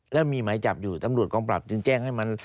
แล้วมีหมายจับอยู่ตำรวจกองปรับจึงแจ้งให้มัน